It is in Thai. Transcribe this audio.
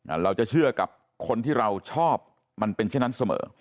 เราจะเชื่อกับคนที่เราชอบมันเป็นเช่นนั้นเสมอ